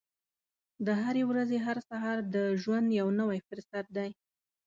د هرې ورځې هر سهار د ژوند یو نوی فرصت دی.